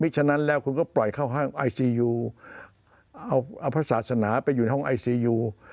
ฉะนั้นแล้วคุณก็ปล่อยเข้าห้างไอซียูเอาพระศาสนาไปอยู่ในห้องไอซียู